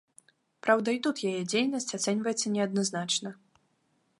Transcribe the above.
Праўда, і тут яе дзейнасць ацэньваецца неадназначна.